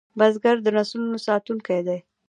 بزګر د نسلونو ساتونکی دی